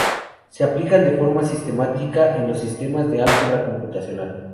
Se aplican de forma sistemática en los sistemas del álgebra computacional.